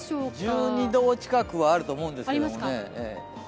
１２度近くはあると思うんですけどね。